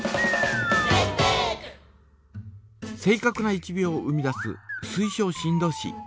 正かくな１秒を生み出す水晶振動子。